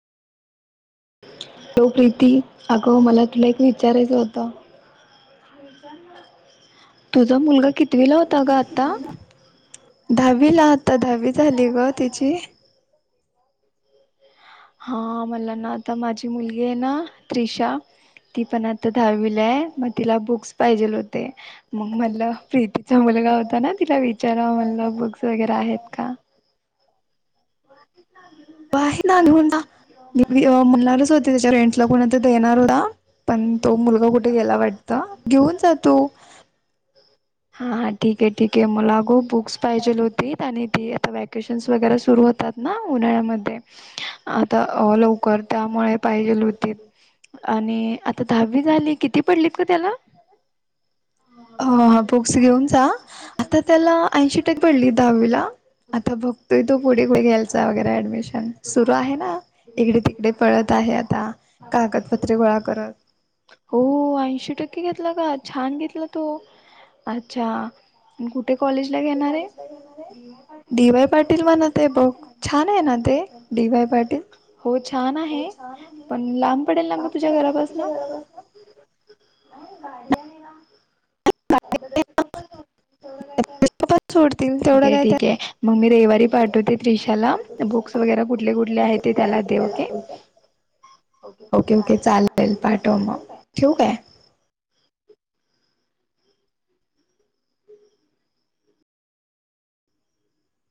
हो प्रीती अगं मला तुला एक विचारायचं होतं. तुझा मुलगा कितवीला होता गं आता? दहावीला, आता दहावी झाली गं त्याची. हा मला ना आता माझी मुलगी आहे ना त्रिषा ती पण आ ता दहावीला आहे मग तिला बुक्स पाहिजेल होते मग म्हणलं प्रीतीचा मुलगा होता ना तिला विचाराव म्हणलं बुक्स वगैरे आहेत का? आहे ना घेऊन जा, मी म्हणणारच होते त्याच्या रेंटला कोणा देणार होता पण तो मुलगा कुठे गेला वाटतं, घेऊन जा तु. हा हा ठीक आहे ठीक आहे, मला अगं बुक्स पाहिजेल होतीत आणि आता ट्युशन्स वगैरे सुरू होतात ना उन्हाळ्यामध्ये आता लवकर त्यामुळे पाहिजेल होती. आणि आता दहावी झाली, किती पडलेत गं त्याला? हा हा बुक्स घेऊन जा, आता त्याला ऐंशी टक्क पडले दहावीला. आता बघतोय तो पुढे पुढे घ्यायचा वगैरे ऍडमिशन सुरू आहे ना इकडे तिकडे पळत आहे आता कागदपत्रे गोळा करत. कुठे हो ऐंशी टक्के घेतला का, छान घेतला तो. अच्छा. कुठे कॉलेजला घेणार आहे? कॉलेजला घेणार आहे डी वाय पाटील म्हणत आहे बघ छान आहे ना ते डी वाय पाटील? हो छान आहे पण लांब पडेल ना गं लांब तुझ्या पडेल ना मग तुझ्या घरापासन. घरापासून नाही गाडी आहे. नाहीतर त्याचे पप्पा सो [inaudible] ठीके आहे, काय त्या ठीके आहे, मग मी रविवारी पाठवते त्रिशाला बुक्स वगैरे कुठले कुठले आहेत? ते त्याला दे ओके. ओके ओके, चालेल ठेवू काय? ठेऊ काय?